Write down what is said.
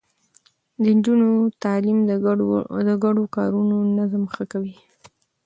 د نجونو تعليم د ګډو کارونو نظم ښه کوي.